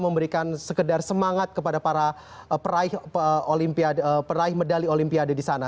memberikan sekedar semangat kepada para peraih medali olimpiade di sana